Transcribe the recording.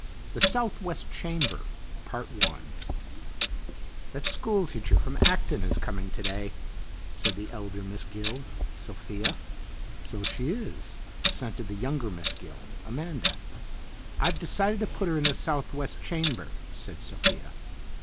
THE SOUTHWEST CHAMBER "That school teacher from Acton is coming to day," said the elder Miss Gill, Sophia. "So she is," assented the younger Miss Gill, Amanda. "I have decided to put her in the southwest chamber," said Sophia.